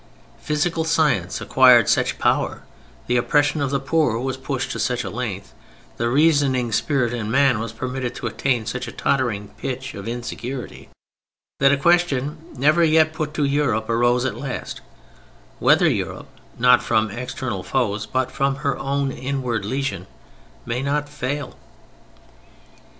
Physical science acquired such power, the oppression of the poor was pushed to such a length, the reasoning spirit in man was permitted to attain such a tottering pitch of insecurity, that a question never yet put to Europe arose at last—whether Europe, not from external foes, but from her own inward lesion may not fail.